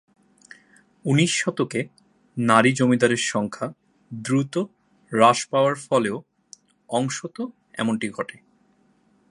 উনিশ শতকে নারী জমিদারের সংখ্যা দ্রুত হ্রাস পাওয়ার ফলেও অংশত এমনটি ঘটে।